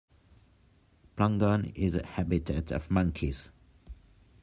Plangon is a habitat of monkeys.